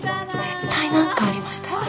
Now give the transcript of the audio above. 絶対何かありましたよね。